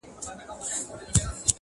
• جهنم ته چي د شیخ جنازه یوسي ,